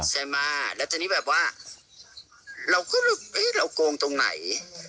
ใช่ไหมแล้วทีนี้แบบว่าเราก็เราโกงตรงไหน